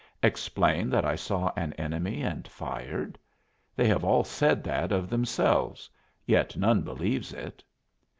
Explain that I saw an enemy and fired? They have all said that of themselves, yet none believes it.